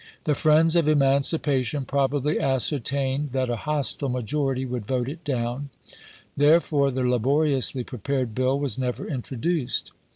The friends of emancipation probably ascertained that a hostile majority would vote it down, there fore the laboriously prepared bill was never intro duced.